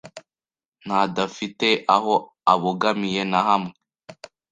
n’adafite aho abogamiye nahamwe.